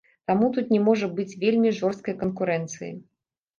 Таму, тут не можа быць вельмі жорсткай канкурэнцыі.